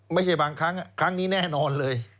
ไม่ใช่บางครั้งครั้งนี้แน่นอนเลย